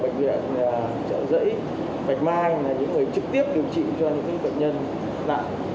đặc biệt là các bác sĩ của bệnh viện trợ đẩy bệnh mang những người trực tiếp điều trị cho những bệnh nhân